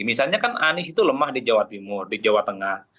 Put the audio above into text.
misalnya kan anies itu lemah di jawa timur di jawa tengah